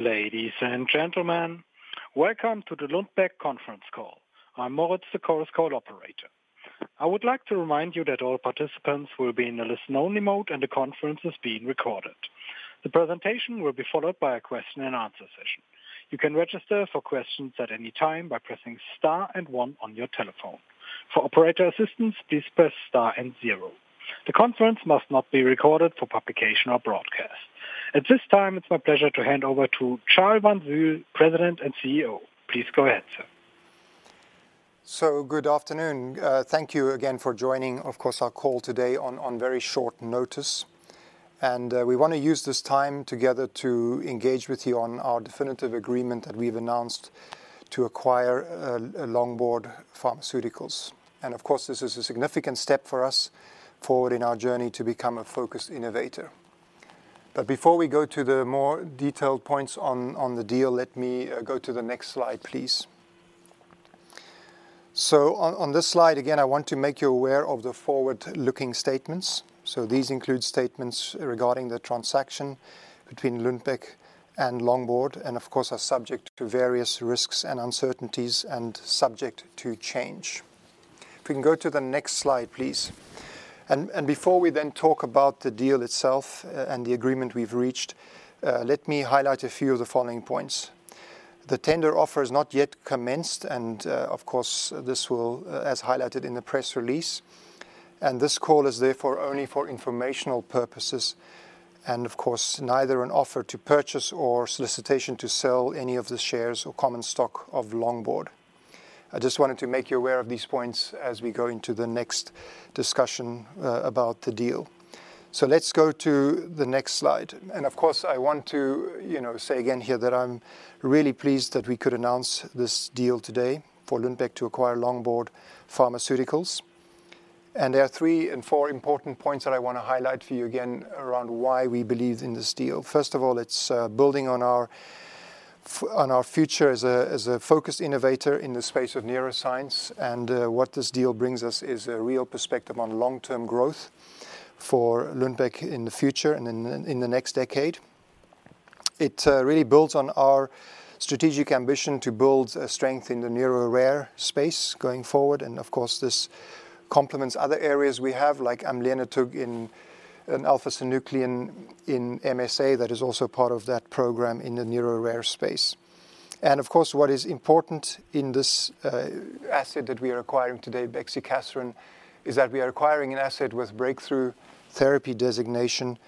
Ladies and gentlemen, welcome to the Lundbeck Conference Call. I'm Moritz, the call operator. I would like to remind you that all participants will be in a listen-only mode, and the conference is being recorded. The presentation will be followed by a Q&A session. You can register for questions at any time by pressing star and one on your telephone. For operator assistance, please press star and zero. The conference must not be recorded for publication or broadcast. At this time, it's my pleasure to hand over to Charl van Zyl, President and CEO. Please go ahead, sir. Good afternoon. Thank you again for joining, of course, our call today on very short notice. And we want to use this time together to engage with you on our definitive agreement that we've announced to acquire Longboard Pharmaceuticals. And of course, this is a significant step for us forward in our journey to become a focused innovator. But before we go to the more detailed points on the deal, let me go to the next slide, please. So, on this slide, again, I want to make you aware of the forward-looking statements. So, these include statements regarding the transaction between Lundbeck and Longboard, and of course, are subject to various risks and uncertainties and subject to change. If we can go to the next slide, please. And before we then talk about the deal itself and the agreement we've reached, let me highlight a few of the following points. The tender offer is not yet commenced, and of course, this will, as highlighted in the press release. And this call is therefore only for informational purposes, and of course, neither an offer to purchase or solicitation to sell any of the shares or common stock of Longboard. I just wanted to make you aware of these points as we go into the next discussion about the deal. So, let's go to the next slide. And of course, I want to say again here that I'm really pleased that we could announce this deal today for Lundbeck to acquire Longboard Pharmaceuticals. And there are three and four important points that I want to highlight for you again around why we believe in this deal. First of all, it's building on our future as a focused innovator in the space of neuroscience. And what this deal brings us is a real perspective on long-term growth for Lundbeck in the future and in the next decade. It really builds on our strategic ambition to build strength in the Neurorare space going forward. And of course, this complements other areas we have, like Amlinetug in an alpha-synuclein in MSA that is also part of that program in the Neurorare space. And of course, what is important in this asset that we are acquiring today, Bexicaserin, is that we are acquiring an asset with breakthrough therapy designation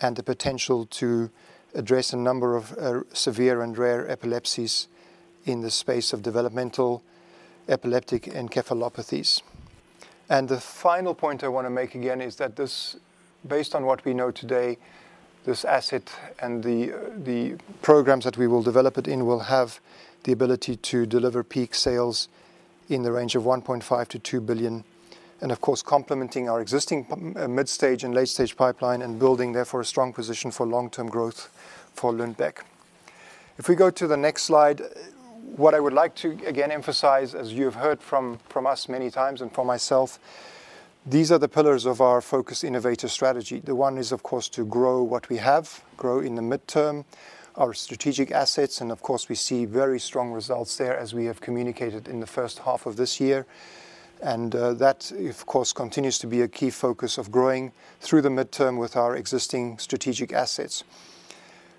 and the potential to address a number of severe and rare epilepsies in the space of developmental epileptic encephalopathies. And the final point I want to make again is that this, based on what we know today, this asset and the programs that we will develop it in will have the ability to deliver peak sales in the range of $1.5 billion to 2 billion, and of course, complementing our existing mid-stage and late-stage pipeline and building therefore a strong position for long-term growth for Lundbeck. If we go to the next slide, what I would like to again emphasize, as you have heard from us many times and from myself, these are the pillars of our focused innovator strategy. The one is, of course, to grow what we have, grow in the midterm our strategic assets. And of course, we see very strong results there as we have communicated in the first half of this year. And that, of course, continues to be a key focus of growing through the midterm with our existing strategic assets.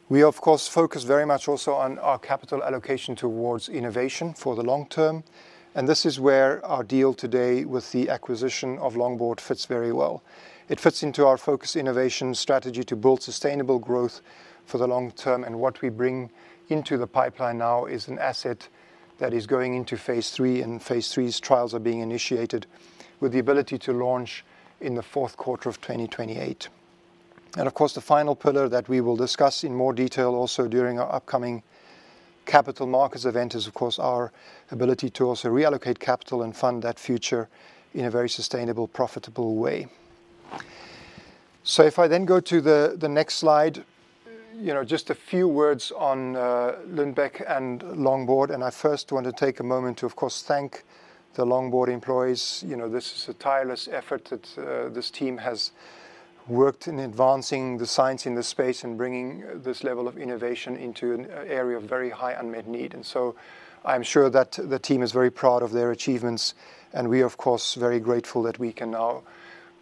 We, of course, focus very much also on our capital allocation towards innovation for the long term. And this is where our deal today with the acquisition of Longboard fits very well. It fits into our focused innovation strategy to build sustainable growth for the long term. And what we bring into the pipeline now is an asset that is going into phase III, and phase III's trials are being initiated with the ability to launch in the Q4 of 2028. And of course, the final pillar that we will discuss in more detail also during our upcoming Capital Markets Event is, of course, our ability to also reallocate capital and fund that future in a very sustainable, profitable way. So, if I then go to the next slide, just a few words on Lundbeck and Longboard. And I first want to take a moment to, of course, thank the Longboard employees. This is a tireless effort that this team has worked in advancing the science in this space and bringing this level of innovation into an area of very high unmet need. And so, I'm sure that the team is very proud of their achievements. And we, of course, are very grateful that we can now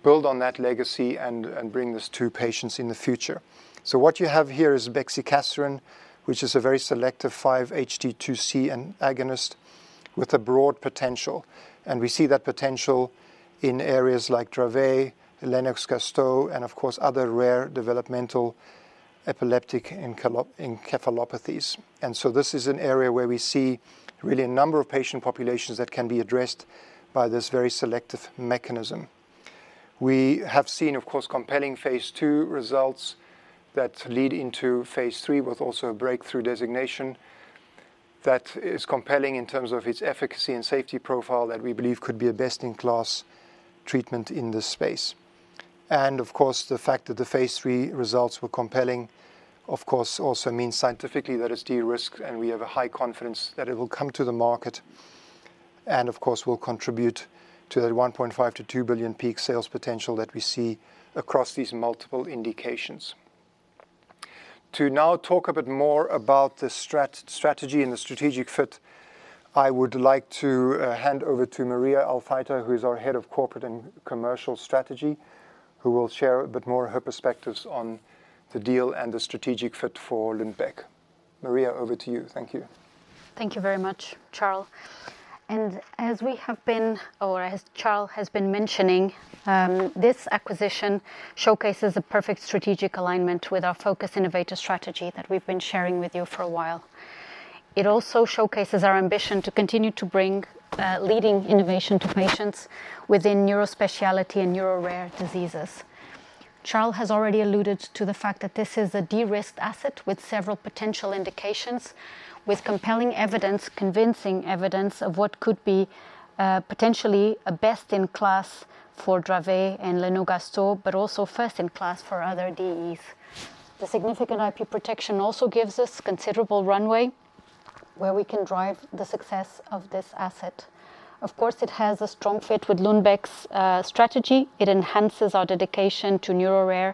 build on that legacy and bring this to patients in the future. So, what you have here is Bexigcitrin, which is a very selective 5-HT2C agonist with a broad potential. And we see that potential in areas like Dravet, Lennox-Gastaut, and of course, other rare developmental epileptic encephalopathies. And so, this is an area where we see really a number of patient populations that can be addressed by this very selective mechanism. We have seen, of course, compelling phase II results that lead into phase III with also a breakthrough designation that is compelling in terms of its efficacy and safety profile that we believe could be a best-in-class treatment in this space. And of course, the fact that the phase III results were compelling, of course, also means scientifically that it's de-risked, and we have a high confidence that it will come to the market and, of course, will contribute to that $1.5 billion to 2 billion peak sales potential that we see across these multiple indications. To now talk a bit more about the strategy and the strategic fit, I would like to hand over to Maria Alfaiate, who is our head of corporate and commercial strategy, who will share a bit more of her perspectives on the deal and the strategic fit for Lundbeck. Maria, over to you. Thank you. Thank you very much, Charl, and as we have been, or as Charl has been mentioning, this acquisition showcases a perfect strategic alignment with our focused innovator strategy that we've been sharing with you for a while. It also showcases our ambition to continue to bring leading innovation to patients within neuropsychiatry and neurorare diseases. Charl has already alluded to the fact that this is a de-risked asset with several potential indications, with compelling evidence, convincing evidence of what could be potentially a best-in-class for Dravet and Lennox-Gastaut, but also first-in-class for other DEEs. The significant IP protection also gives us a considerable runway where we can drive the success of this asset. Of course, it has a strong fit with Lundbeck's strategy. It enhances our dedication to neurorare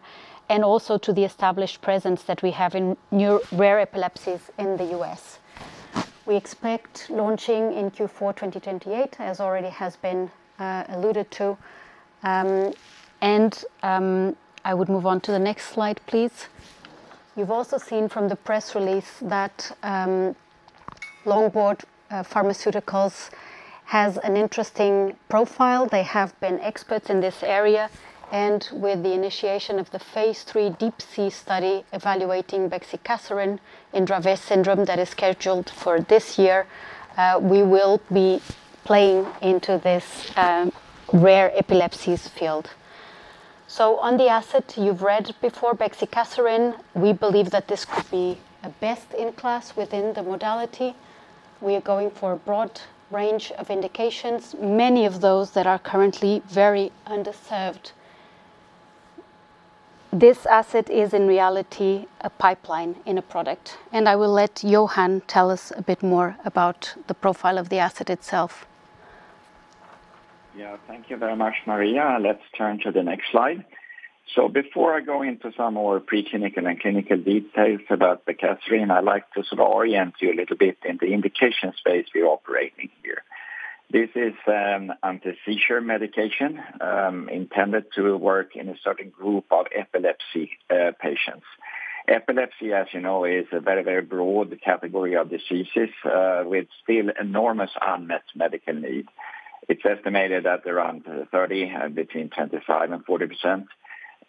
and also to the established presence that we have in neurorare epilepsies in the U.S.. We expect launching in Q4 2028, as already has been alluded to, and I would move on to the next slide, please. You've also seen from the press release that Longboard Pharmaceuticals has an interesting profile. They have been experts in this area, and with the initiation of the phase III DEUCE study evaluating Bexigcitrin in Dravet syndrome that is scheduled for this year, we will be playing into this rare epilepsies field, so on the asset you've read before, Bexigcitrin, we believe that this could be a best-in-class within the modality. We are going for a broad range of indications, many of those that are currently very underserved. This asset is in reality a pipeline in a product, and I will let Johan tell us a bit more about the profile of the asset itself. Yeah, thank you very much, Maria. Let's turn to the next slide. So, before I go into some more preclinical and clinical details about Bexigcitrin, I'd like to sort of orient you a little bit in the indication space we're operating here. This is an anti-seizure medication intended to work in a certain group of epilepsy patients. Epilepsy, as you know, is a very, very broad category of diseases with still enormous unmet medical need. It's estimated that around 30%, between 25% and 40%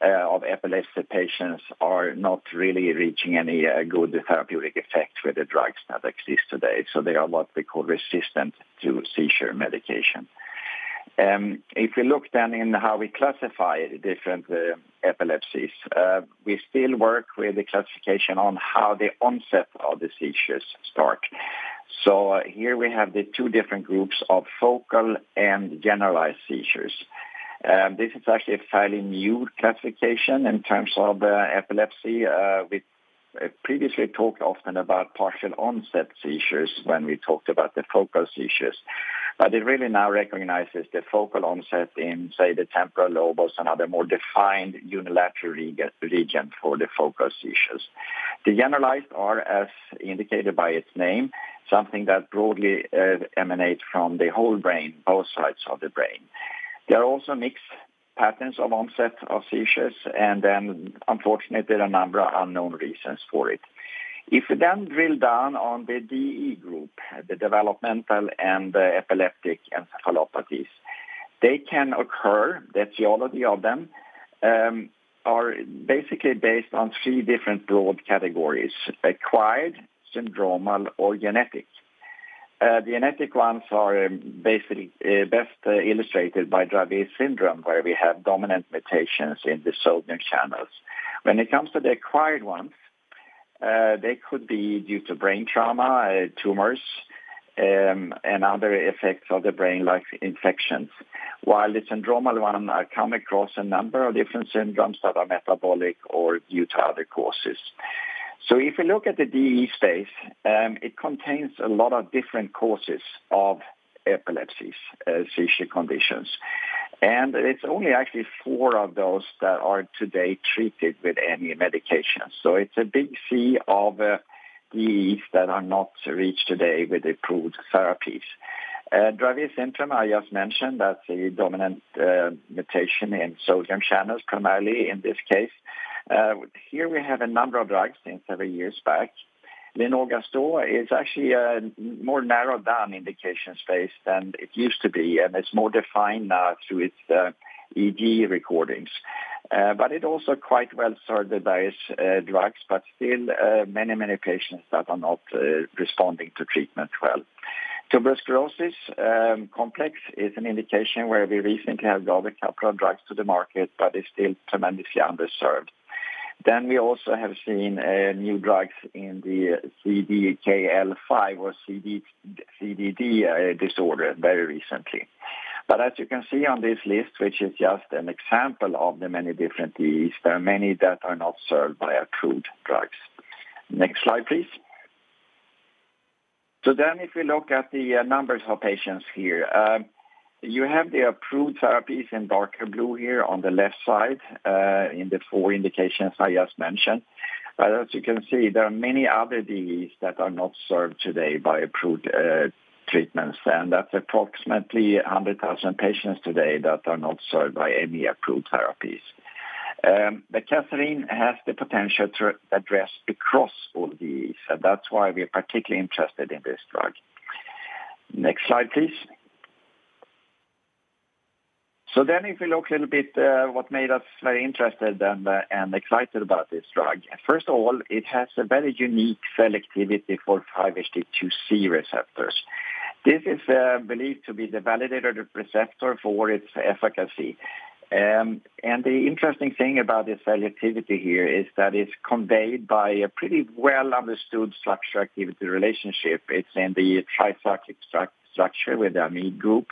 of epilepsy patients are not really reaching any good therapeutic effect with the drugs that exist today. So, they are what we call resistant to seizure medication. If we look then in how we classify different epilepsies, we still work with the classification on how the onset of the seizures start. So, here we have the two different groups of focal and generalized seizures. This is actually a fairly new classification in terms of epilepsy. We previously talked often about partial onset seizures when we talked about the focal seizures. But it really now recognizes the focal onset in, say, the temporal lobe and other more defined unilateral region for the focal seizures. The generalized are, as indicated by its name, something that broadly emanates from the whole brain, both sides of the brain. There are also mixed patterns of onset of seizures, and then, unfortunately, there are a number of unknown reasons for it. If we then drill down on the DE group, the developmental and epileptic encephalopathies, they can occur. The etiology of them are basically based on three different broad categories: acquired, syndromal, or genetic. The genetic ones are basically best illustrated by Dravet syndrome, where we have dominant mutations in the sodium channels. When it comes to the acquired ones, they could be due to brain trauma, tumors, and other effects of the brain, like infections. While the syndromal ones come across a number of different syndromes that are metabolic or due to other causes. So, if we look at the DEE space, it contains a lot of different causes of epilepsies, seizure conditions. And it's only actually four of those that are today treated with any medication. So, it's a big sea of DEEs that are not reached today with approved therapies. Dravet syndrome, I just mentioned, that's a dominant mutation in sodium channels, primarily in this case. Here we have a number of drugs since several years back. Lennox-Gastaut is actually a more narrowed-down indication space than it used to be, and it's more defined now through its EEG recordings. but it's also quite well served by its drugs, but still many, many patients that are not responding to treatment well. Tuberous Sclerosis Complex is an indication where we recently have brought a couple of drugs to the market, but it's still tremendously underserved. Then we also have seen new drugs in the CDKL5 or CDD disorder very recently. But as you can see on this list, which is just an example of the many different DEEs, there are many that are not served by approved drugs. Next slide, please. So then, if we look at the numbers of patients here, you have the approved therapies in darker blue here on the left side in the four indications I just mentioned. But as you can see, there are many other DEEs that are not served today by approved treatments. That's approximately 100,000 patients today that are not served by any approved therapies. Bexigcitrin has the potential to address across all DEEs. That's why we're particularly interested in this drug. Next slide, please. Then, if we look a little bit at what made us very interested and excited about this drug, first of all, it has a very unique selectivity for 5-HT2C receptors. This is believed to be the validated receptor for its efficacy. The interesting thing about this selectivity here is that it's conveyed by a pretty well-understood structure-activity relationship. It's in the tricyclic structure with the amine group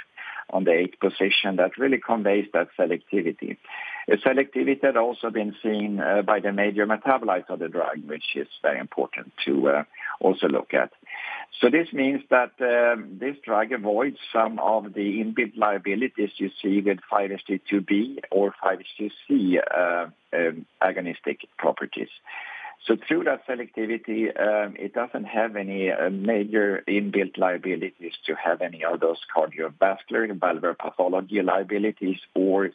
on the eighth position that really conveys that selectivity. The selectivity had also been seen by the major metabolites of the drug, which is very important to also look at. This means that this drug avoids some of the in-built liabilities you see with 5-HT2B or 5-HT2C agonistic properties. Through that selectivity, it doesn't have any major in-built liabilities to have any of those cardiovascular valvular pathology liabilities or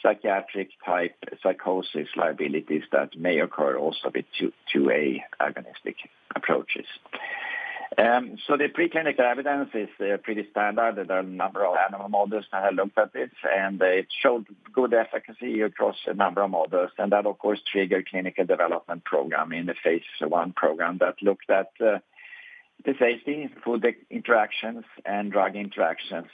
psychiatric-type psychosis liabilities that may occur also with 2A agonistic approaches. The preclinical evidence is pretty standard. There are a number of animal models that have looked at this, and it showed good efficacy across a number of models. That, of course, triggered a clinical development program in the phase I program that looked at the safety, food interactions, and drug interactions,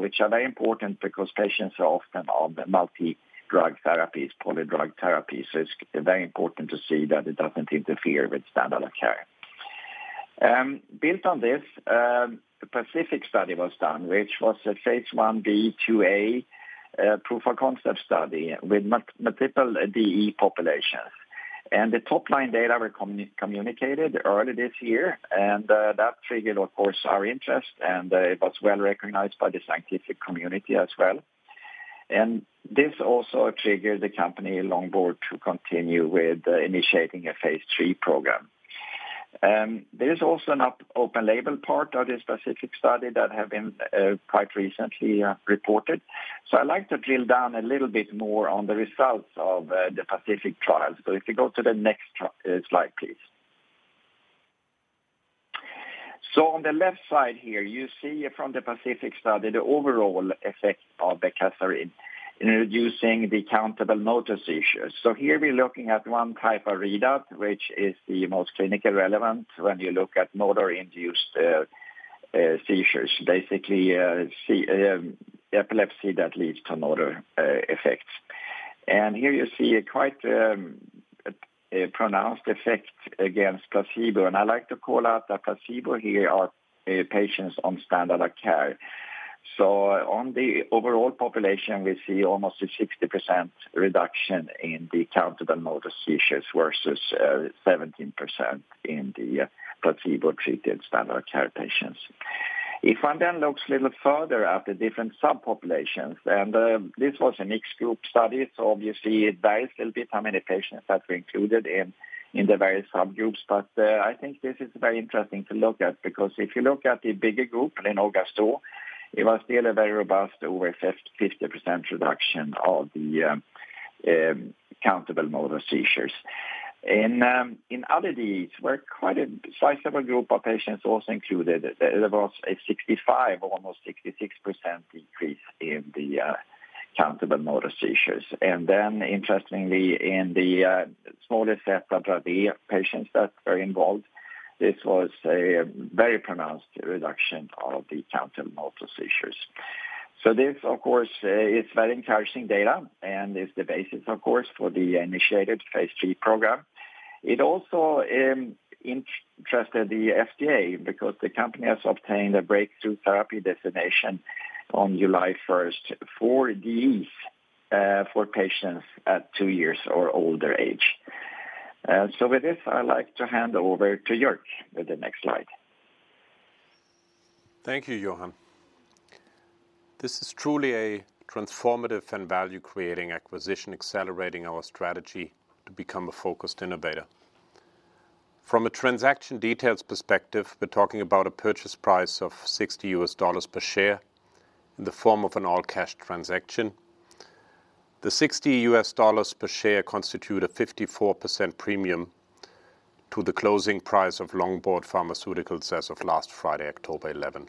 which are very important because patients are often on the multi-drug therapies, polydrug therapies. It's very important to see that it doesn't interfere with standard of care. Built on this, a PACIFIC study was done, which was a phase Ib/IIa proof-of-concept study with multiple DEE populations. And the top-line data were communicated early this year. And that triggered, of course, our interest. And it was well recognized by the scientific community as well. And this also triggered the company Longboard to continue with initiating a phase III program. There is also an open-label part of this PACIFIC study that has been quite recently reported. So, I'd like to drill down a little bit more on the results of the specific trials. But if you go to the next slide, please. So, on the left side here, you see from the PACIFIC study the overall effect of Bexigcitrin in reducing the countable motor seizures. So, here we're looking at one type of readout, which is the most clinically relevant when you look at motor-induced seizures, basically epilepsy that leads to motor effects. And here you see a quite pronounced effect against placebo. And I like to call out that placebo here are patients on standard of care. So, on the overall population, we see almost a 60% reduction in the countable motor seizures versus 17% in the placebo-treated standard of care patients. If one then looks a little further at the different subpopulations, and this was a mixed group study, so obviously, it varies a little bit how many patients that were included in the various subgroups. But I think this is very interesting to look at because if you look at the bigger group, Lennox-Gastaut, it was still a very robust over 50% reduction of the countable motor seizures. And in other DEEs, where quite a sizable group of patients was included, there was a 65%, almost 66% increase in the countable motor seizures. And then, interestingly, in the smaller set of Dravet patients that were involved, this was a very pronounced reduction of the countable motor seizures. So, this, of course, is very encouraging data, and it's the basis, of course, for the initiated phase III program. It also interested the FDA because the company has obtained a breakthrough therapy designation on July 1st for DEEs for patients at two years or older age. So, with this, I'd like to hand over to Jörg with the next slide. Thank you, Johan. This is truly a transformative and value-creating acquisition accelerating our strategy to become a focused innovator. From a transaction details perspective, we're talking about a purchase price of $60 per share in the form of an all-cash transaction. The $60 per share constitute a 54% premium to the closing price of Longboard Pharmaceuticals as of last Friday, October 11.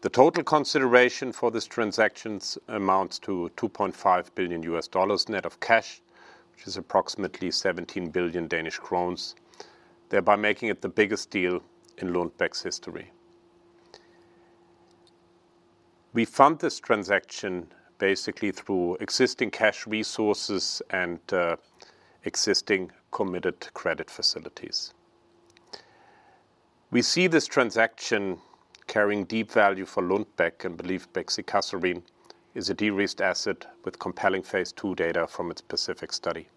The total consideration for this transaction amounts to $2.5 billion net of cash, which is approximately 17 billion Danish kroner, thereby making it the biggest deal in Lundbeck's history. We fund this transaction basically through existing cash resources and existing committed credit facilities. We see this transaction carrying deep value for Lundbeck and believe Bexigcitrin is a de-risked asset with compelling phase II data from its specific study.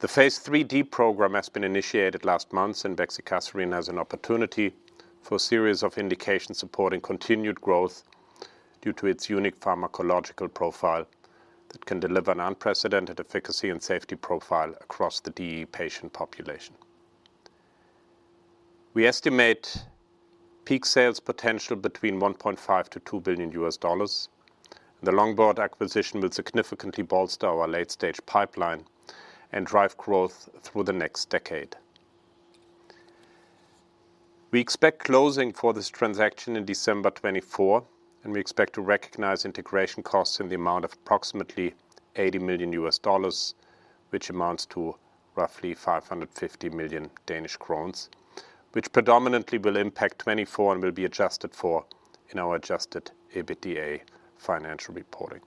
The phase III DEUCE program has been initiated last month, and Bexigcitrin has an opportunity for a series of indications supporting continued growth due to its unique pharmacological profile that can deliver an unprecedented efficacy and safety profile across the DE patient population. We estimate peak sales potential between $1.5 billion to 2 billion. And the Longboard acquisition will significantly bolster our late-stage pipeline and drive growth through the next decade. We expect closing for this transaction in December 2024, and we expect to recognize integration costs in the amount of approximately $80 million, which amounts to roughly 550 million Danish kroner, which predominantly will impact 2024 and will be adjusted for in our adjusted EBITDA financial reporting.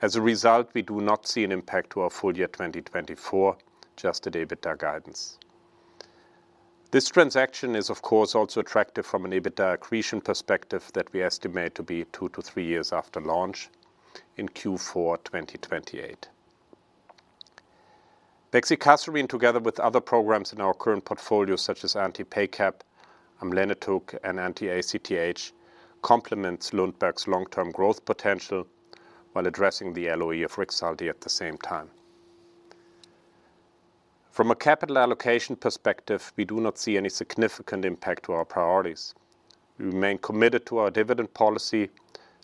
As a result, we do not see an impact to our full year 2024 adjusted EBITDA guidance. This transaction is, of course, also attractive from an EBITDA accretion perspective that we estimate to be two to three years after launch in Q4 2028. Bexigcitrin, together with other programs in our current portfolio, such as Anti-PACAP, Amlinetug, and Anti-ACTH, complements Lundbeck's long-term growth potential while addressing the LOE of Rexulti at the same time. From a capital allocation perspective, we do not see any significant impact to our priorities. We remain committed to our dividend policy,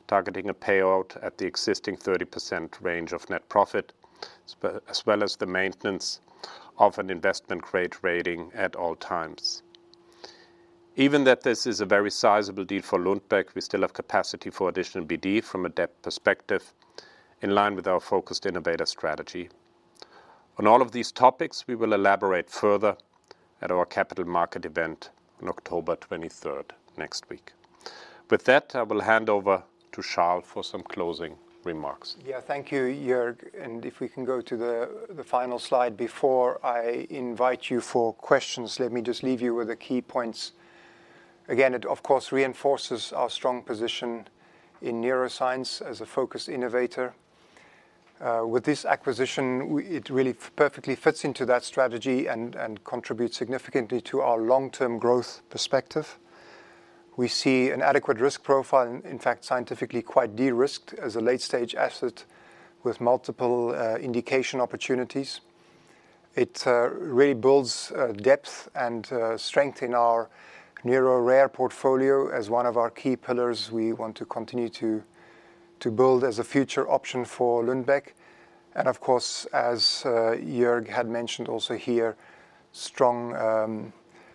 targeting a payout at the existing 30% range of net profit, as well as the maintenance of an investment grade rating at all times. Even though this is a very sizable deal for Lundbeck, we still have capacity for additional BD from a debt perspective, in line with our focused innovator strategy. On all of these topics, we will elaborate further at our capital market event on October 23rd next week. With that, I will hand over to Charl for some closing remarks. Yeah, thank you, Jörg. And if we can go to the final slide before I invite you for questions, let me just leave you with the key points. Again, it, of course, reinforces our strong position in neuroscience as a focused innovator. With this acquisition, it really perfectly fits into that strategy and contributes significantly to our long-term growth perspective. We see an adequate risk profile, in fact, scientifically quite de-risked as a late-stage asset with multiple indication opportunities. It really builds depth and strength in our neuro rare portfolio as one of our key pillars we want to continue to build as a future option for Lundbeck. And, of course, as Jörg had mentioned also here, strong,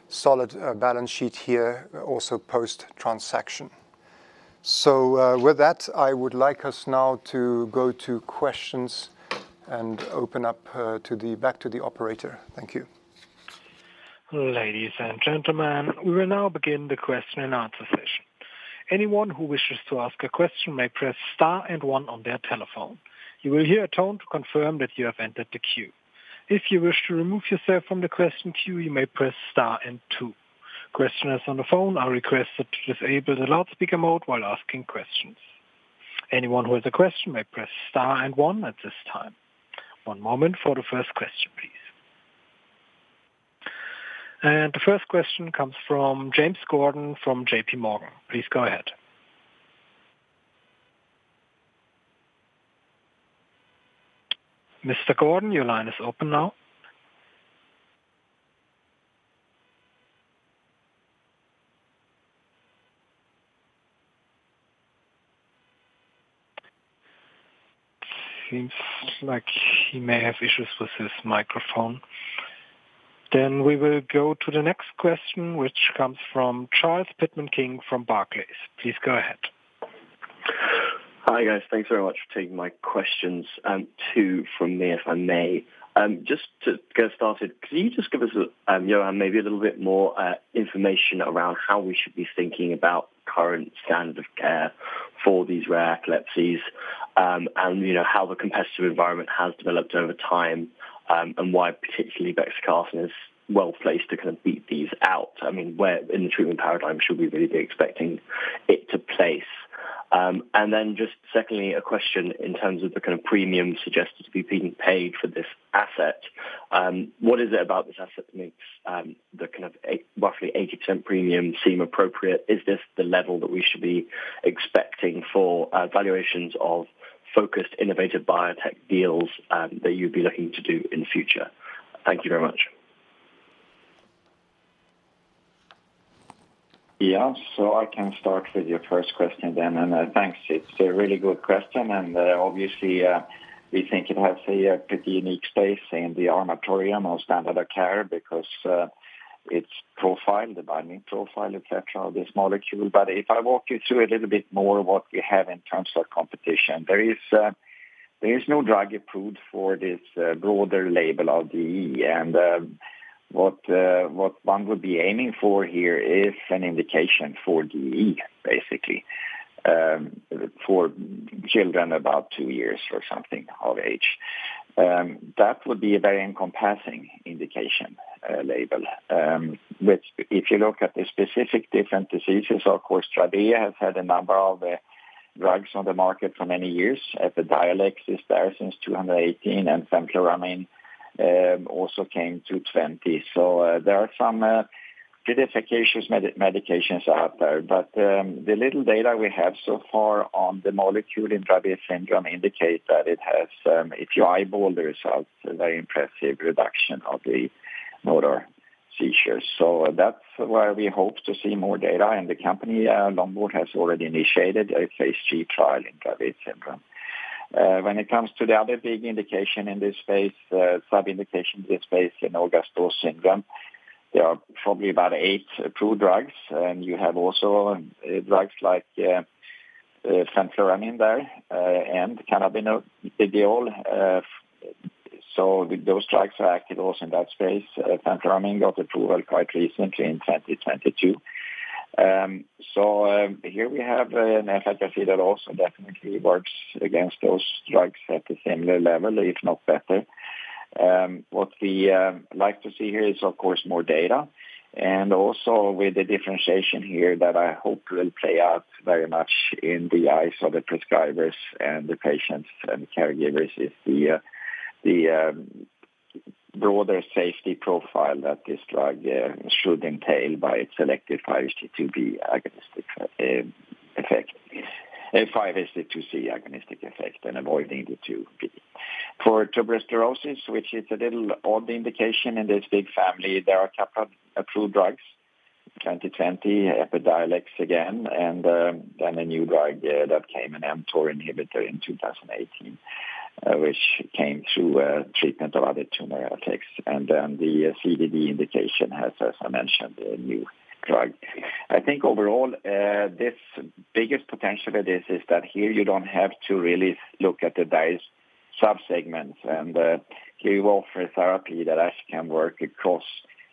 solid balance sheet here, also post-transaction. So, with that, I would like us now to go to questions and open up back to the operator. Thank you. Ladies and gentlemen, we will now begin the Q&A session. Anyone who wishes to ask a question may press star and one on their telephone. You will hear a tone to confirm that you have entered the queue. If you wish to remove yourself from the question queue, you may press star and two. Questioners on the phone are requested to disable the loudspeaker mode while asking questions. Anyone who has a question may press star and one at this time. One moment for the first question, please. And the first question comes from James Gordon from JPMorgan. Please go ahead. Mr. Gordon, your line is open now. Seems like he may have issues with his microphone. Then we will go to the next question, which comes from Charles Pitman-King from Barclays. Please go ahead. Hi, guys. Thanks very much for taking my questions too from me, if I may. Just to get us started, could you just give us, Johan, maybe a little bit more information around how we should be thinking about current standard of care for these rare epilepsies and how the competitive environment has developed over time and why particularly Bexigcitrin is well placed to kind of beat these out? I mean, where in the treatment paradigm should we really be expecting it to place? And then just secondly, a question in terms of the kind of premium suggested to be being paid for this asset. What is it about this asset that makes the kind of roughly 80% premium seem appropriate? Is this the level that we should be expecting for valuations of focused innovative biotech deals that you'd be looking to do in the future? Thank you very much. Yeah, so I can start with your first question then. And thanks. It's a really good question. And obviously, we think it has a pretty unique space in the armamentarium of standard of care because it's profiled, the binding profile, et cetera, of this molecule. But if I walk you through a little bit more what we have in terms of competition, there is no drug approved for this broader label of DE. And what one would be aiming for here is an indication for DE, basically, for children about two years or something of age. That would be a very encompassing indication label. If you look at the specific different diseases, of course, Dravet has had a number of drugs on the market for many years. Epidiolex is there since 2018, and Fenfluramine also came in 2020. So there are some pretty efficacious medications out there. But the little data we have so far on the molecule in Dravet syndrome indicates that it has, if you eyeball the results, a very impressive reduction of the motor seizures. So that's why we hope to see more data. And the company, Longboard, has already initiated a phase III trial in Dravet syndrome. When it comes to the other big indication in this space, sub-indication in this space in LGS, there are probably about eight approved drugs. And you have also drugs like Fenfluramine there and cannabidiol. So those drugs are active also in that space. Fenfluramine got approval quite recently in 2022. So here we have an efficacy that also definitely works against those drugs at a similar level, if not better. What we like to see here is, of course, more data. And also with the differentiation here that I hope will play out very much in the eyes of the prescribers and the patients and caregivers is the broader safety profile that this drug should entail by its selective 5-HT2C agonistic effect and avoiding the 2B. For TSC, which is a little odd indication in this big family, there are a couple of approved drugs. In 2020, Epidiolex again, and then a new drug that came, an mTOR inhibitor in 2018, which came through treatment of other tumor effects. And then the CDD indication has, as I mentioned, a new drug. I think overall, this biggest potential of this is that here you don't have to really look at the subsegments. And here you offer a therapy that actually can work across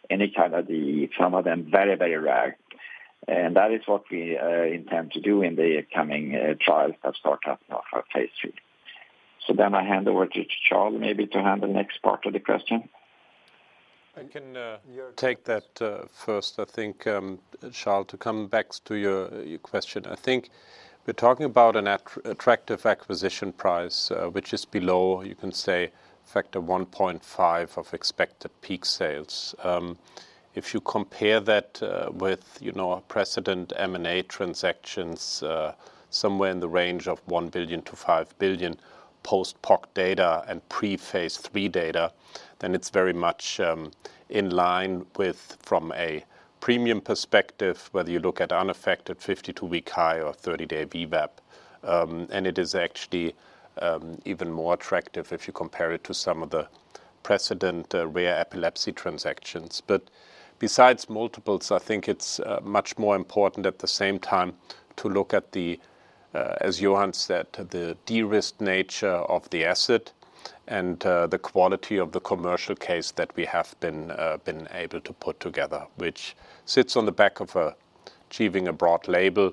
any kind of DE, some of them very, very rare. And that is what we intend to do in the coming trials that start up for phase III. So then I hand over to Charl maybe to handle the next part of the question. I can take that first, I think, Charles, to come back to your question. I think we're talking about an attractive acquisition price, which is below, you can say, factor 1.5 of expected peak sales. If you compare that with precedent M&A transactions somewhere in the range of $1 billion to 5 billion post-POC data and pre-phase III data, then it's very much in line with, from a premium perspective, whether you look at unaffected 52-week high or 30-day VWAP, and it is actually even more attractive if you compare it to some of the precedent rare epilepsy transactions. But besides multiples, I think it's much more important at the same time to look at the, as Johan said, the de-risked nature of the asset and the quality of the commercial case that we have been able to put together, which sits on the back of achieving a broad label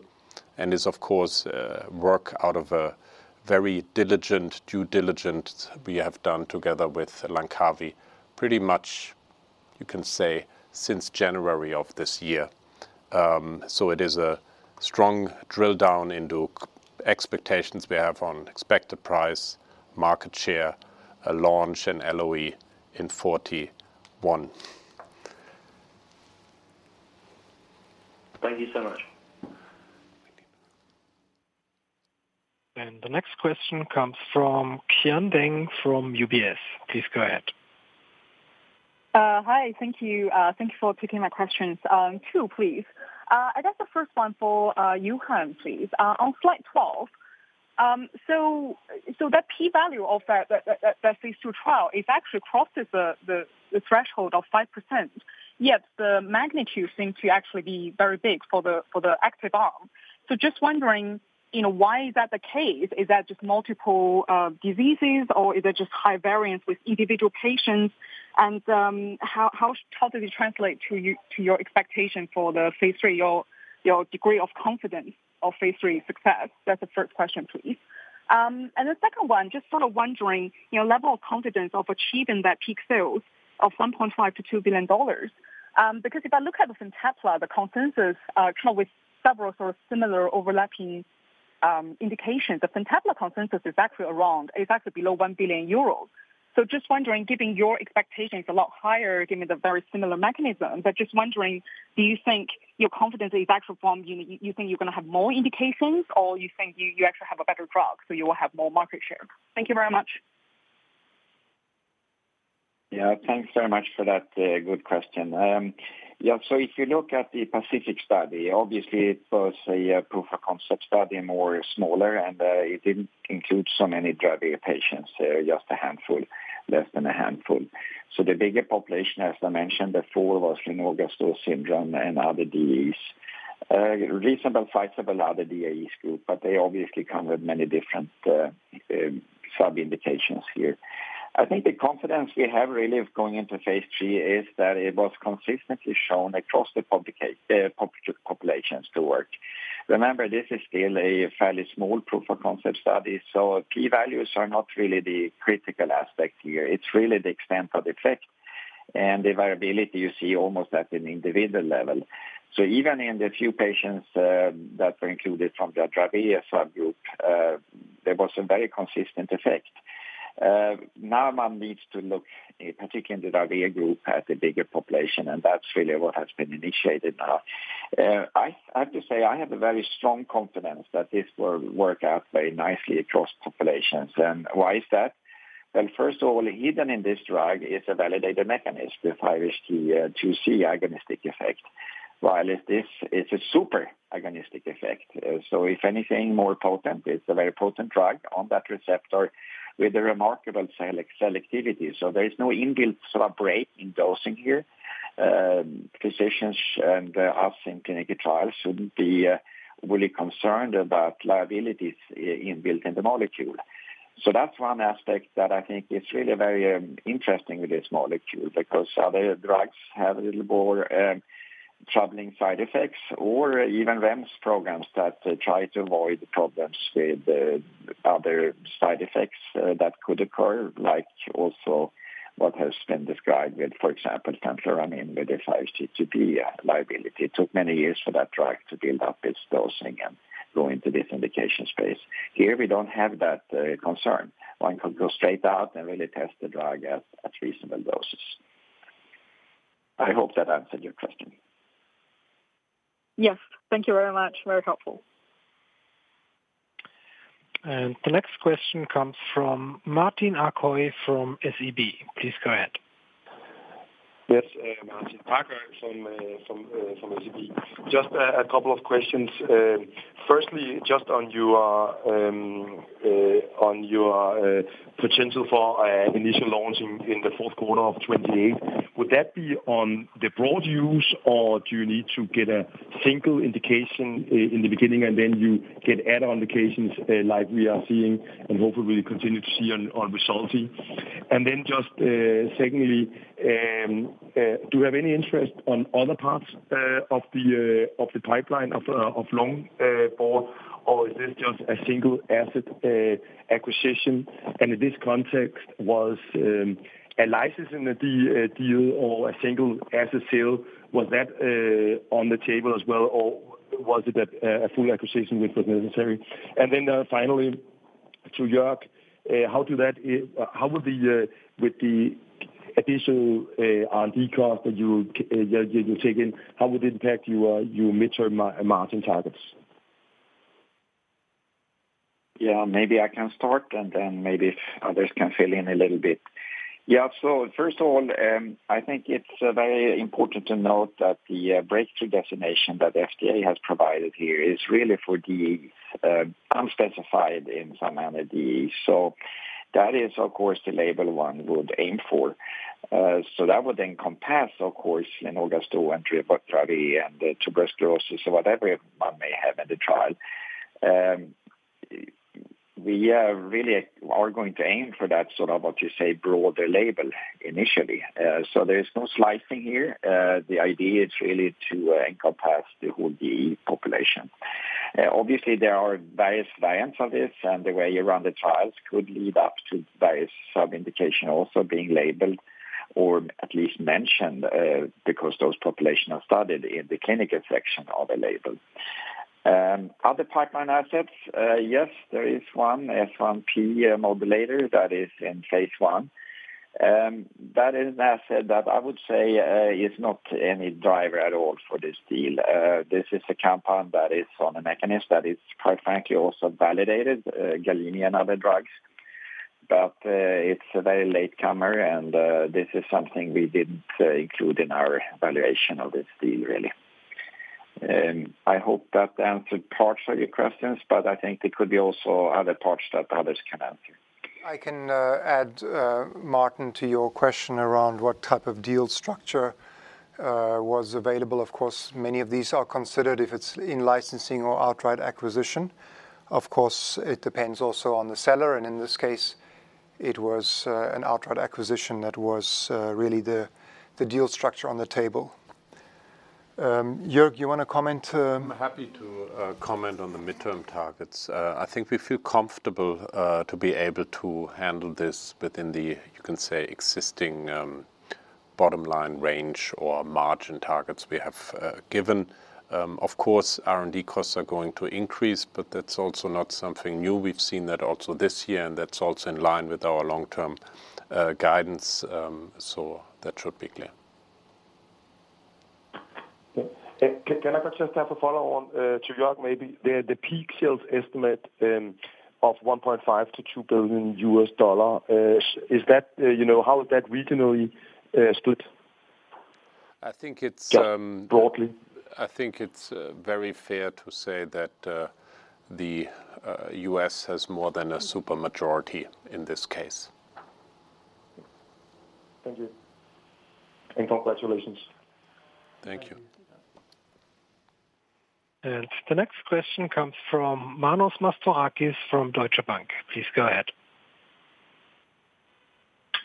and is, of course, work out of a very diligent due diligence we have done together with Longboard pretty much, you can say, since January of this year, so it is a strong drill down into expectations we have on expected price, market share, launch, and LOE in 2041. Thank you so much. The next question comes from Xian Deng from UBS. Please go ahead. Hi, thank you. Thank you for taking my questions. Two, please. I guess the first one for Johan, please. On slide 12, so that p-value of that phase II trial is actually crosses the threshold of 5%, yet the magnitude seems to actually be very big for the active arm. So just wondering, why is that the case? Is that just multiple diseases, or is it just high variance with individual patients? And how does it translate to your expectation for the phase III, your degree of confidence of phase III success? That's the first question, please. And the second one, just sort of wondering, level of confidence of achieving that peak sales of $1.5 billion to 2 billion? Because if I look at the Fintepla, the consensus kind of with several sort of similar overlapping indications, the Fintepla consensus is actually around, is actually below 1 billion euros. So just wondering, given your expectations a lot higher, given the very similar mechanism, but just wondering, do you think your confidence is actually from, you think you're going to have more indications, or you think you actually have a better drug, so you will have more market share? Thank you very much. Yeah, thanks very much for that good question. Yeah, so if you look at the PACIFIC study, obviously, it was a proof of concept study, much smaller, and it didn't include so many Dravet patients, just a handful, less than a handful. So the bigger population, as I mentioned, the focus was Lennox-Gastaut syndrome and other DEEs, including a reasonable subset of other DEEs group, but they obviously covered many different sub-indications here. I think the confidence we have really of going into phase III is that it was consistently shown across the population to work. Remember, this is still a fairly small proof of concept study, so p-values are not really the critical aspect here. It's really the extent of effect and the variability you see almost at an individual level. So even in the few patients that were included from the Dravet subgroup, there was a very consistent effect. Now one needs to look, particularly in the Dravet group, at the bigger population, and that's really what has been initiated now. I have to say, I have a very strong confidence that this will work out very nicely across populations. And why is that? Well, first of all, hidden in this drug is a validated mechanism, the 5-HT2C agonistic effect, while this is a super agonistic effect. So if anything, more potent, it's a very potent drug on that receptor with a remarkable selectivity. So there is no inbuilt sort of brake in dosing here. Physicians and us in clinical trials shouldn't be really concerned about liabilities inbuilt in the molecule. So that's one aspect that I think is really very interesting with this molecule because other drugs have a little more troubling side effects or even REMS programs that try to avoid problems with other side effects that could occur, like also what has been described with, for example, Fenfluramine with the 5-HT2B liability. It took many years for that drug to build up its dosing and go into this indication space. Here, we don't have that concern. One could go straight out and really test the drug at reasonable doses. I hope that answered your question. Yes, thank you very much. Very helpful. The next question comes from Martin Parkhøi from SEB. Please go ahead. Yes, Martin Parkhøi from SEB. Just a couple of questions. Firstly, just on your potential for initial launching in the Q4 of 2028, would that be on the broad use, or do you need to get a single indication in the beginning and then you get add-on indications like we are seeing and hopefully we continue to see on Rexulti? And then just secondly, do you have any interest on other parts of the pipeline of Longboard, or is this just a single asset acquisition? And in this context, was a license in the deal or a single asset sale, was that on the table as well, or was it a full acquisition which was necessary? And then finally, to Jörg, how would the additional R&D cost that you'll take in, how would it impact your midterm margin targets? Yeah, maybe I can start, and then maybe if others can fill in a little bit. Yeah, so first of all, I think it's very important to note that the breakthrough designation that FDA has provided here is really for DEEs, unspecified in some sense. So that is, of course, the label one would aim for. So that would encompass, of course, Lennox-Gastaut and Dravet and tuberous sclerosis or whatever one may have in the trial. We really are going to aim for that sort of, what you say, broader label initially. So there is no slicing here. The idea is really to encompass the whole DEE population. Obviously, there are various variants of this, and the way you run the trials could lead up to various sub-indications also being labeled or at least mentioned because those populations are studied in the clinical section of a label. Other pipeline assets, yes, there is one S1P modulator that is in phase I. That is an asset that I would say is not any driver at all for this deal. This is a compound that is on a mechanism that is, quite frankly, also validated, Gilenya and other drugs. But it's a very late comer, and this is something we didn't include in our evaluation of this deal, really. I hope that answered parts of your questions, but I think there could be also other parts that others can answer. I can add, Martin, to your question around what type of deal structure was available. Of course, many of these are considered if it's in licensing or outright acquisition. Of course, it depends also on the seller, and in this case, it was an outright acquisition that was really the deal structure on the table. Jörg, you want to comment? I'm happy to comment on the midterm targets. I think we feel comfortable to be able to handle this within the, you can say, existing bottom line range or margin targets we have given. Of course, R&D costs are going to increase, but that's also not something new. We've seen that also this year, and that's also in line with our long-term guidance, so that should be clear. Can I just have a follow-on to Jörg? Maybe the peak sales estimate of $1.5 billion to 2 billion, how is that regionally stood? I think it's. Broadly. I think it's very fair to say that the U.S. has more than a super majority in this case. Thank you. Congratulations. Thank you. And the next question comes from Manos Mastorakis from Deutsche Bank. Please go ahead.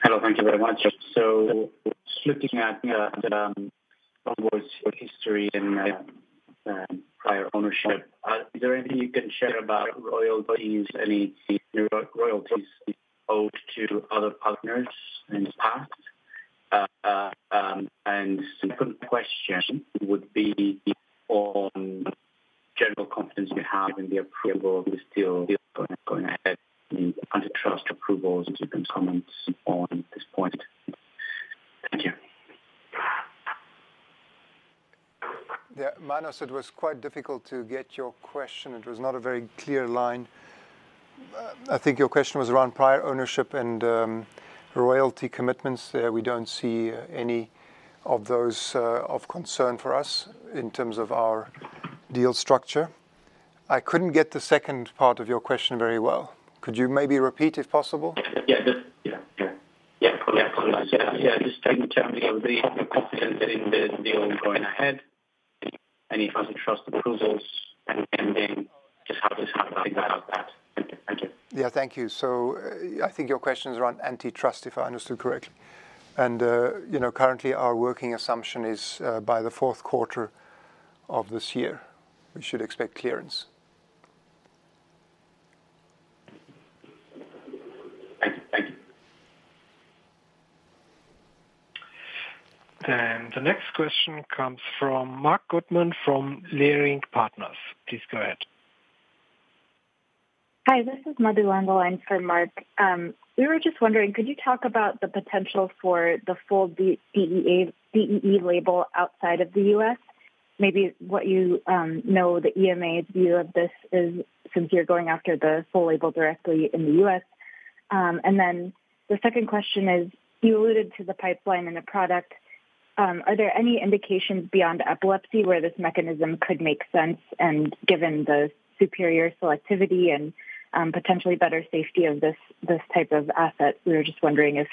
Hello, thank you very much. Looking at the Longboard's history and prior ownership, is there anything you can share about royalties, any royalties owed to other partners in the past? And second question would be on general confidence you have in the approval, is the deal still going ahead and antitrust approvals, if you can comment on this point. Thank you. Yeah, Manos, it was quite difficult to get your question. It was not a very clear line. I think your question was around prior ownership and royalty commitments. We don't see any of those of concern for us in terms of our deal structure. I couldn't get the second part of your question very well. Could you maybe repeat if possible? Yeah, just tell me about the confidence in the deal going ahead, any antitrust approvals, and then just how do you think about that? Thank you. Yeah, thank you. So I think your question is around antitrust, if I understood correctly. And currently, our working assumption is by the Q4 of this year, we should expect clearance. Thank you. The next question comes from Marc Goodman from Leerink Partners. Please go ahead. Hi, this is Madhu Kumar for Marc. We were just wondering, could you talk about the potential for the full DEE label outside of the U.S.? Maybe what you know the EMA's view of this is since you're going after the full label directly in the U.S.? And then the second question is, you alluded to the pipeline and the product. Are there any indications beyond epilepsy where this mechanism could make sense? And given the superior selectivity and potentially better safety of this type of asset, we were just wondering if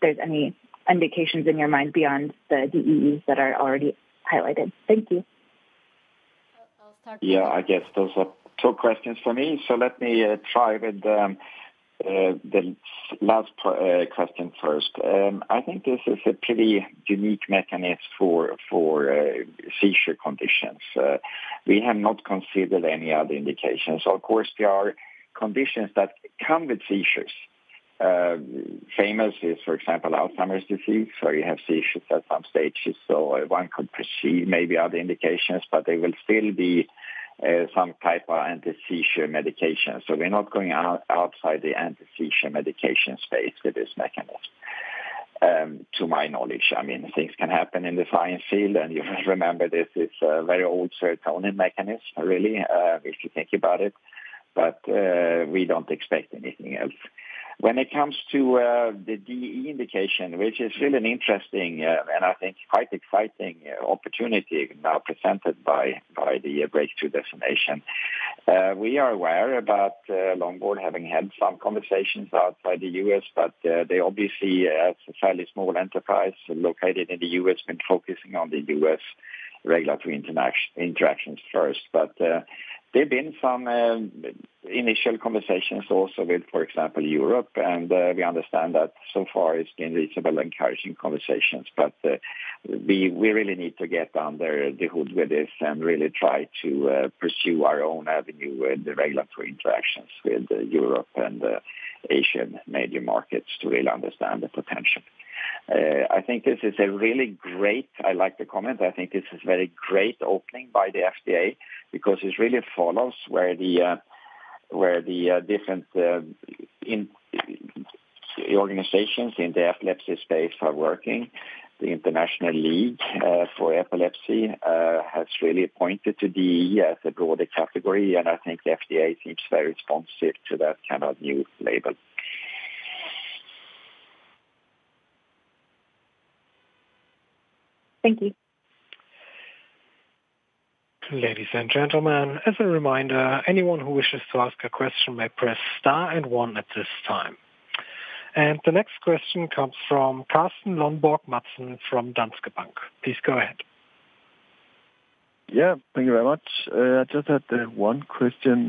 there's any indications in your mind beyond the DEEs that are already highlighted. Thank you. Yeah, I guess those are two questions for me. So let me try with the last question first. I think this is a pretty unique mechanism for seizure conditions. We have not considered any other indications. Of course, there are conditions that come with seizures. Famous is, for example, Alzheimer's disease, where you have seizures at some stages. So one could perceive maybe other indications, but there will still be some type of anti-seizure medication. So we're not going outside the anti-seizure medication space with this mechanism, to my knowledge. I mean, things can happen in the science field, and you remember this is a very old serotonin mechanism, really, if you think about it. But we don't expect anything else. When it comes to the DEE indication, which is really an interesting and I think quite exciting opportunity now presented by the breakthrough designation, we are aware about Longboard having had some conversations outside the U.S., but they obviously, as a fairly small enterprise located in the U.S., have been focusing on the U.S. regulatory interactions first. But there have been some initial conversations also with, for example, Europe, and we understand that so far it's been reasonable and encouraging conversations. But we really need to get under the hood with this and really try to pursue our own avenue with the regulatory interactions with Europe and Asian major markets to really understand the potential. I think this is a really great. I like the comment. I think this is a very great opening by the FDA because it really follows where the different organizations in the epilepsy space are working. The International League Against Epilepsy has really adopted DEE as a broader category, and I think the FDA seems very responsive to that kind of new label. Thank you. Ladies and gentlemen, as a reminder, anyone who wishes to ask a question may press star and one at this time. And the next question comes from Carsten Lønborg Madsen from Danske Bank. Please go ahead. Yeah, thank you very much. I just had one question.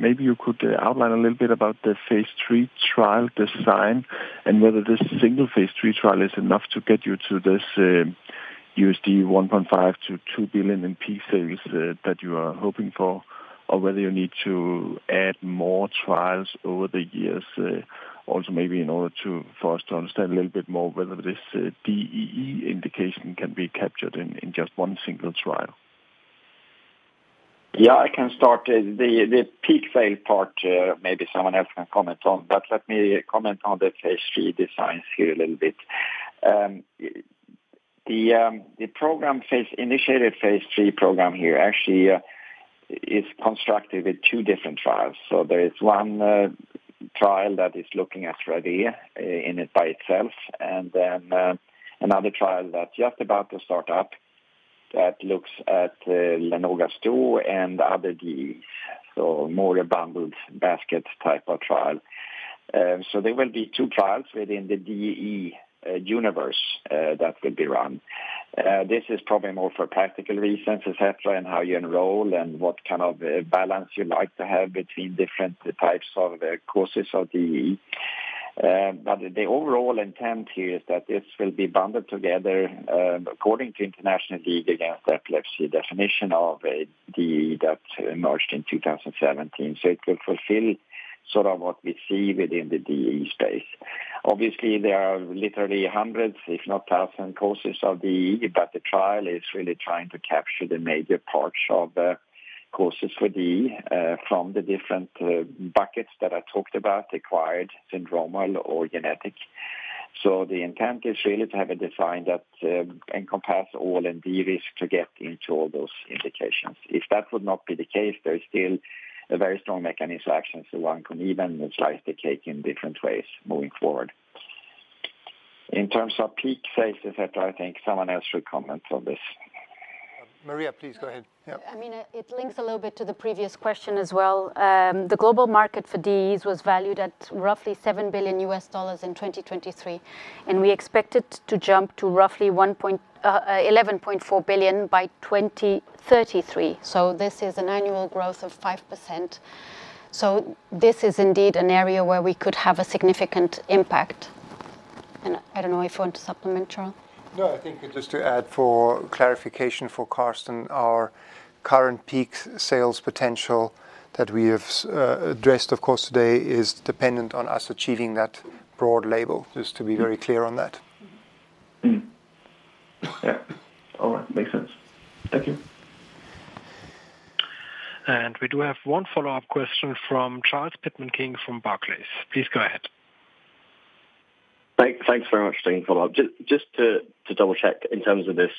Maybe you could outline a little bit about the phase III trial design and whether this single phase III trial is enough to get you to this $1.5 billion to 2 billion in peak sales that you are hoping for, or whether you need to add more trials over the years, also maybe in order for us to understand a little bit more whether this DEE indication can be captured in just one single trial. Yeah, I can start the peak sales part. Maybe someone else can comment on, but let me comment on the phase III designs here a little bit. The initiated phase III program here actually is constructed with two different trials. So there is one trial that is looking at Dravet in it by itself, and then another trial that's just about to start up that looks at Lennox-Gastaut and other DEEs. So more a bundled basket type of trial. So there will be two trials within the DEE universe that will be run. This is probably more for practical reasons, etc., and how you enroll and what kind of balance you like to have between different types of causes of DEE. But the overall intent here is that this will be bundled together according to International League Against Epilepsy definition of DEE that emerged in 2017. So it will fulfill sort of what we see within the DEE space. Obviously, there are literally hundreds, if not thousands, causes of DEE, but the trial is really trying to capture the major parts of causes for DEE from the different buckets that I talked about, acquired, syndromic, or genetic. So the intent is really to have a design that encompasses all and de-risk to get into all those indications. If that would not be the case, there is still a very strong mechanism of action so one can even slice the cake in different ways moving forward. In terms of peak phase, etc., I think someone else should comment on this. Maria, please go ahead. I mean, it links a little bit to the previous question as well. The global market for DEEs was valued at roughly $7 billion in 2023, and we expect it to jump to roughly $11.4 billion by 2033. So this is an annual growth of 5%. So this is indeed an area where we could have a significant impact. And I don't know if you want to supplement, Charles. No, I think just to add for clarification for Carsten, our current peak sales potential that we have addressed, of course, today is dependent on us achieving that broad label. Just to be very clear on that. Yeah, all right. Makes sense. Thank you. We do have one follow-up question from Charles Pitman-King from Barclays. Please go ahead. Thanks very much for taking follow-up. Just to double-check, in terms of this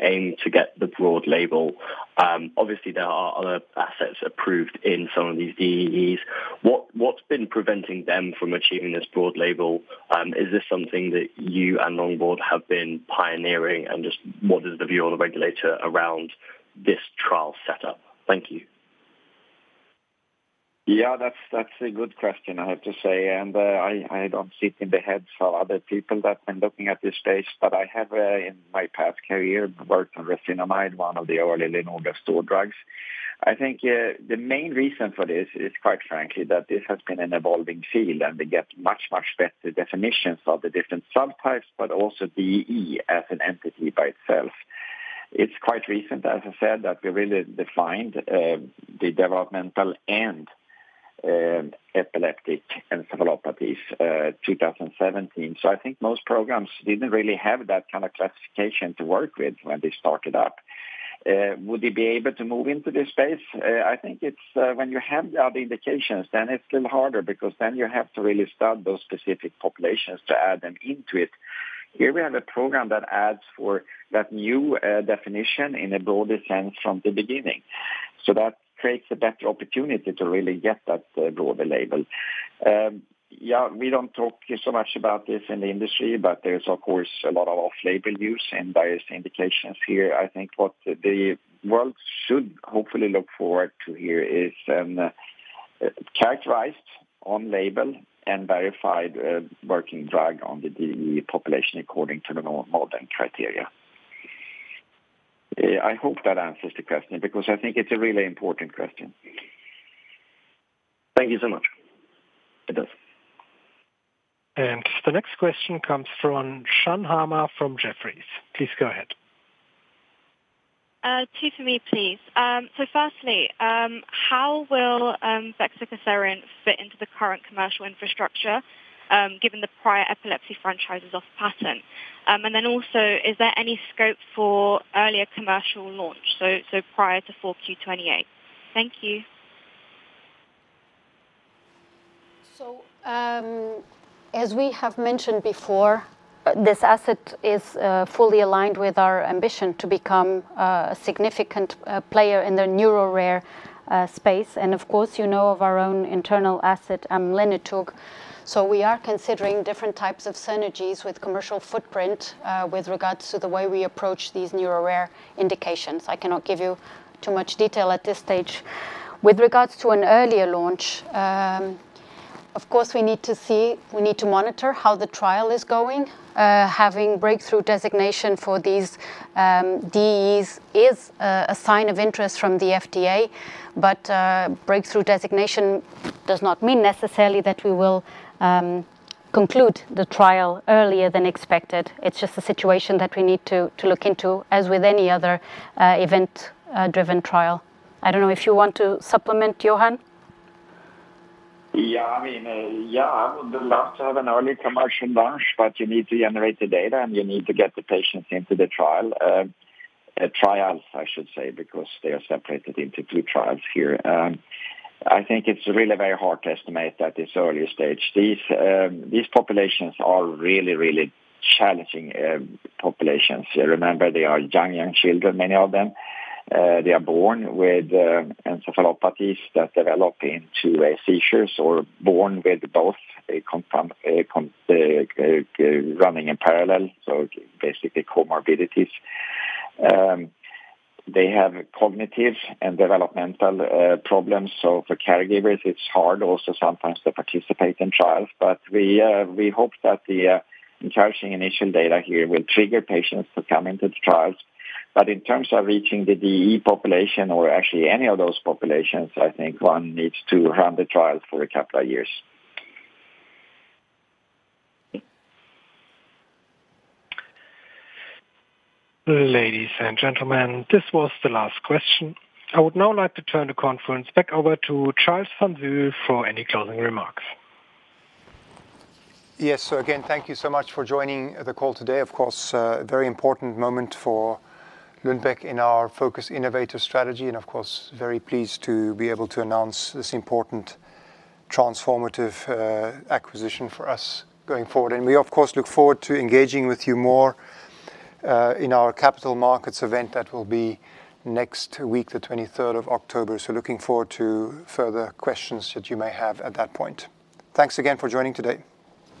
aim to get the broad label, obviously, there are other assets approved in some of these DEEs. What's been preventing them from achieving this broad label? Is this something that you and Longboard have been pioneering, and just what is the view of the regulator around this trial setup? Thank you. Yeah, that's a good question, I have to say. And I don't see it in the heads of other people that have been looking at this space, but I have, in my past career, worked on resinamide, one of the early Lennox-Gastaut drugs. I think the main reason for this is, quite frankly, that this has been an evolving field, and we get much, much better definitions of the different subtypes, but also DEE as an entity by itself. It's quite recent, as I said, that we really defined the developmental and epileptic encephalopathies in 2017. So I think most programs didn't really have that kind of classification to work with when they started up. Would they be able to move into this space? I think when you have the other indications, then it's a little harder because then you have to really study those specific populations to add them into it. Here we have a program that adds for that new definition in a broader sense from the beginning. So that creates a better opportunity to really get that broader label. Yeah, we don't talk so much about this in the industry, but there is, of course, a lot of off-label use and various indications here. I think what the world should hopefully look forward to here is a characterized on-label and verified working drug on the DEE population according to the modern criteria. I hope that answers the question because I think it's a really important question. Thank you so much. It does. The next question comes from Sean Hammer from Jefferies. Please go ahead. Two for me, please. So firstly, how will Bexigcitrin fit into the current commercial infrastructure given the prior epilepsy franchises off-patent? And then also, is there any scope for earlier commercial launch, so prior to Q4 28? Thank you. So as we have mentioned before, this asset is fully aligned with our ambition to become a significant player in the Neurorare space. And of course, you know of our own internal asset, Amlinetug. So we are considering different types of synergies with commercial footprint with regards to the way we approach these Neurorare indications. I cannot give you too much detail at this stage. With regards to an earlier launch, of course, we need to see we need to monitor how the trial is going. Having breakthrough designation for these DEEs is a sign of interest from the FDA, but breakthrough designation does not mean necessarily that we will conclude the trial earlier than expected. It's just a situation that we need to look into, as with any other event-driven trial. I don't know if you want to supplement, Johan. Yeah, I mean, yeah, I would love to have an early commercial launch, but you need to generate the data, and you need to get the patients into the trials, I should say, because they are separated into two trials here. I think it's really very hard to estimate at this early stage. These populations are really, really challenging populations. Remember, they are young, young children, many of them. They are born with encephalopathies that develop into seizures or born with both running in parallel, so basically comorbidities. They have cognitive and developmental problems. So for caregivers, it's hard also sometimes to participate in trials. But we hope that the encouraging initial data here will trigger patients to come into the trials. But in terms of reaching the DEE population or actually any of those populations, I think one needs to run the trials for a couple of years. Ladies and gentlemen, this was the last question. I would now like to turn the conference back over to Charl van Zyl for any closing remarks. Yes, so again, thank you so much for joining the call today. Of course, a very important moment for Lundbeck in our focus innovative strategy, and of course, very pleased to be able to announce this important transformative acquisition for us going forward. And we, of course, look forward to engaging with you more in our Capital Markets Event that will be next week, the 23rd of October. So looking forward to further questions that you may have at that point. Thanks again for joining today.